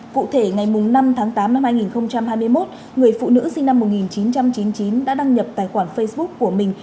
cụ thể ngày năm tháng tám năm hai nghìn hai mươi một người phụ nữ sinh năm một nghìn chín trăm chín mươi chín đã đăng nhập tài khoản facebook của mình